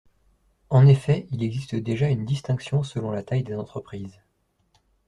En effet, il existe déjà une distinction selon la taille des entreprises.